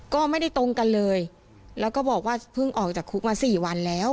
ก็ไม่ได้ตรงกันเลยแล้วก็บอกว่าเพิ่งออกจากคุกมาสี่วันแล้ว